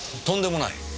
とんでもない。